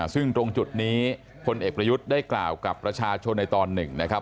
ซึ่งตรงจุดนี้พลเอกประยุทธ์ได้กล่าวกับประชาชนในตอนหนึ่งนะครับ